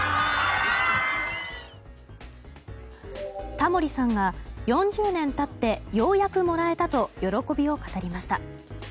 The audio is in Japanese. タモリさんが４０年経ってようやくもらえたと喜びを語りました。